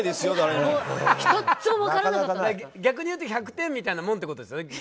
逆に言うと１００点みたいなもんってことですよね。